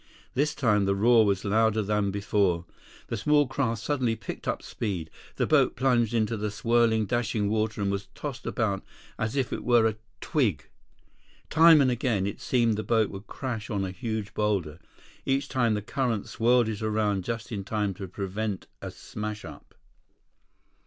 This time the roar was louder than before. The small craft suddenly picked up speed. The boat plunged into the swirling, dashing water and was tossed about as if it were a twig. Time and again, it seemed the boat would crash on a huge boulder. Each time the current swirled it around just in time to prevent a smashup.